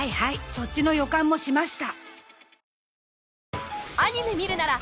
そっちの予感もしました